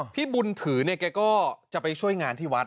พี่บุญถือเนี่ยแกก็จะไปช่วยงานที่วัด